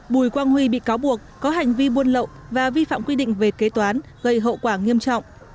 bùi quang huy bị cáo buộc có hành vi buôn lậu và vi phạm quy định về kế toán gây hậu quả nghiêm trọng